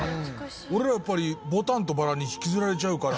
俺らやっぱり『牡丹と薔薇』に引きずられちゃうから。